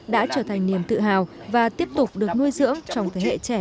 đã trở thành niềm tự hào và tiếp tục được nuôi dưỡng trong thế hệ trẻ